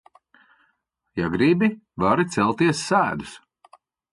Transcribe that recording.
Ja gribi, vari celties sēdus.